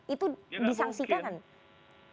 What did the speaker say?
itu disangsikan kan